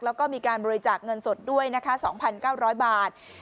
แล้วก็มีการบริจาคเงินสดด้วยนะคะสองพันเก้าร้อยบาท